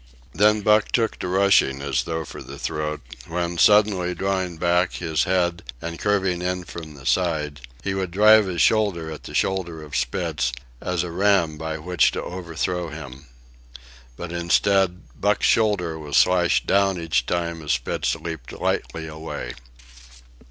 Then Buck took to rushing, as though for the throat, when, suddenly drawing back his head and curving in from the side, he would drive his shoulder at the shoulder of Spitz, as a ram by which to overthrow him. But instead, Buck's shoulder was slashed down each time as Spitz leaped lightly away.